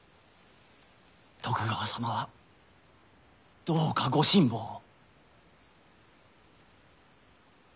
徳川様はどうかご辛抱を。